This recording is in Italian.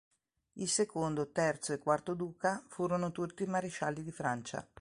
Il secondo, terzo e quarto duca furono tutti marescialli di Francia.